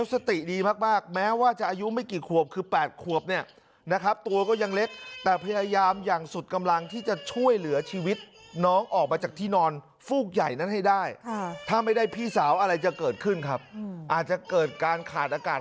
เอาไว้ให้ไก่หูไก่ตาครับเพราะว่าถ้าช่วยเอามาไม่ทันก็อาจจะเกิดเหตุการณ์ยิ่งกว่านี้ครับ